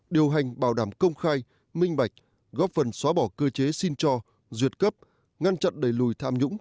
điều hành bảo đảm công khai minh bạch góp phần xóa bỏ cơ chế xin cho duyệt cấp ngăn chặn đẩy lùi tham nhũng